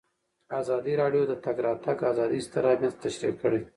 ازادي راډیو د د تګ راتګ ازادي ستر اهميت تشریح کړی.